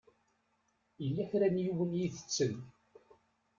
Yella kra n yiwen i itetten.